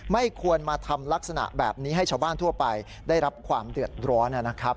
ไม่ควรมาทำลักษณะแบบนี้ให้ชาวบ้านทั่วไปได้รับความเดือดร้อนนะครับ